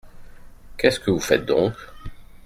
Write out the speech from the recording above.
Qu’est-ce que vous faites donc ?